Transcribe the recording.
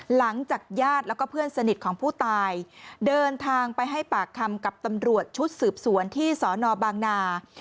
หลังจากญาติแล้วก็เพื่อนสนิทของผู้ตายเดินทางไปให้ปากคำกับตำรวจชุดสืบสวนที่สอนอบางนา